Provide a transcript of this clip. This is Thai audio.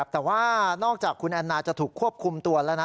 แต่ว่านอกจากคุณแอนนาจะถูกควบคุมตัวแล้วนะ